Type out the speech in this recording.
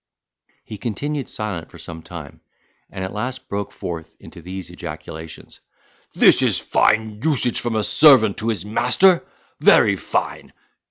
He continued silent for some time, and at last broke forth into these ejaculations: "This is fine usage from a servant to his master—very fine!